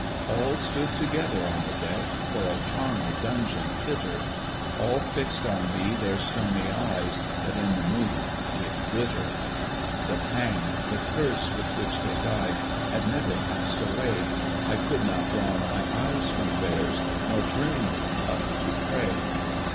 All stood together on the deck, For a charnel dungeon fitter: All fixed on me their stony eyes, That in the Moon did glitter. The pang, the curse, with which they died, Had never passed away: I could not draw my eyes from theirs, Nor turn them up to pray.